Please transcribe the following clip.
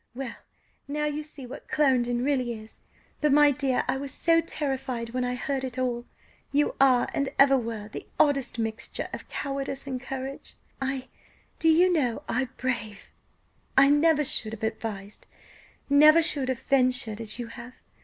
Well! now you see what Clarendon really is! But, my dear, I was so terrified when I heard it all. You are, and ever were, the oddest mixture of cowardice and courage. I do you know I, brave I never should have advised never should have ventured as you have?